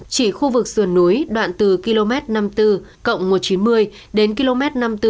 chỉ khu vực sườn núi đoạn từ km năm mươi bốn một trăm chín mươi đến km năm mươi bốn bốn trăm năm mươi năm